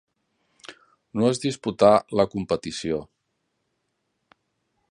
No es disputà la competició.